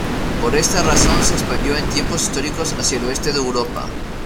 Por esta razón se expandió en tiempos históricos hacia el oeste de Europa.